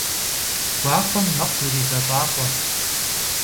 Гуахъуэм мэкъу иризэщӀакъуэ.